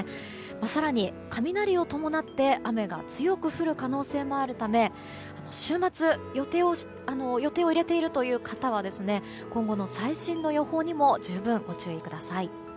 更に雷を伴って雨が強く降る可能性もあるため週末に予定を入れているという方は今後の最新の予報にも十分ご注意ください。